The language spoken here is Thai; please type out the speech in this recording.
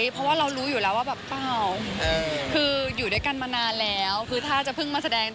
เพราะว่าเรารู้อยู่แล้วว่าแบบเปล่าคืออยู่ด้วยกันมานานแล้วคือถ้าจะเพิ่งมาแสดง